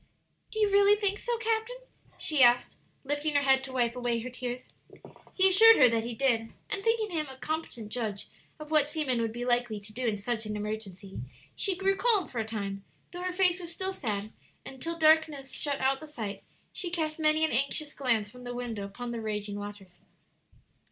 "Do you really think so, captain?" she asked, lifting her head to wipe away her tears. He assured her that he did; and thinking him a competent judge of what seamen would be likely to do in such an emergency, she grew calm for a time, though her face was still sad; and till darkness shut out the sight, she cast many an anxious glance from the window upon the raging waters.